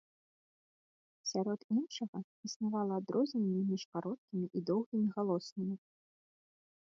Сярод іншага, існавала адрозненне між кароткімі і доўгімі галоснымі.